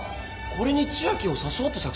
これに千秋を誘おうって作戦か？